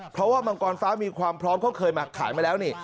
เพราะว่ามังกรฟ้ามีความพร้อมเขาเคยมาขายมาแล้วนี่